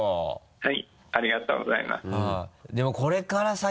はい。